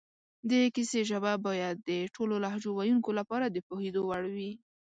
د کیسې ژبه باید د ټولو لهجو ویونکو لپاره د پوهېدو وړ وي